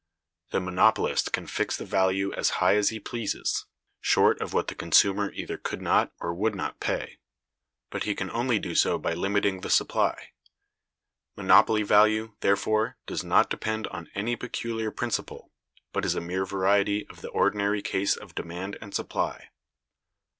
The monopolist can fix the value as high as he pleases, short of what the consumer either could not or would not pay; but he can only do so by limiting the supply. Monopoly value, therefore, does not depend on any peculiar principle, but is a mere variety of the ordinary case of demand and supply.